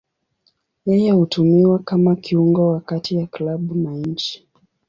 Yeye hutumiwa kama kiungo wa kati ya klabu na nchi.